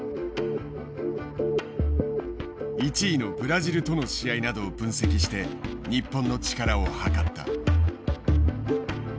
１位のブラジルとの試合などを分析して日本の力を測った。